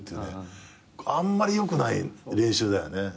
あんまりよくない練習だよね。